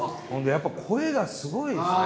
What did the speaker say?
やっぱ声がすごいですね。